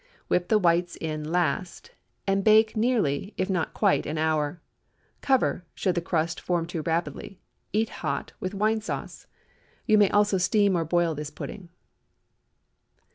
Whip the whites in last, and bake nearly, if not quite an hour. Cover, should the crust form too rapidly. Eat hot, with wine sauce. You may also steam or boil this pudding.